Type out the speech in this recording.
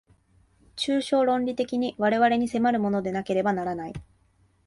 抽象論理的に我々に迫るものでなければならない。